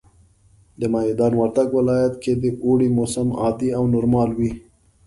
د ميدان وردګ ولايت کي د اوړي موسم عادي او نورمال وي